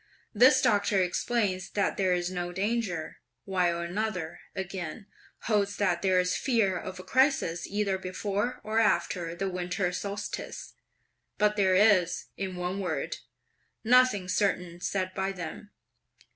This doctor explains that there is no danger: while another, again, holds that there's fear of a crisis either before or after the winter solstice; but there is, in one word, nothing certain said by them.